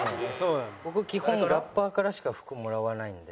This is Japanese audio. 僕基本ラッパーからしか服もらわないんで。